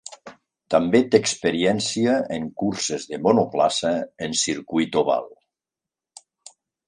També té experiència en curses de monoplaça en circuit oval.